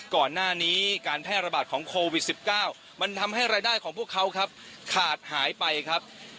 ก่อนหน้านี้การแพร่ระบาดของโควิด๑๙มันทำให้รายได้ของพวกเขาครับขาดหายไปครับ